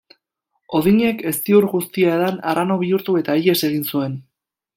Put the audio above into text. Odinek, ezti-ur guztia edan, arrano bihurtu eta ihes egin zuen.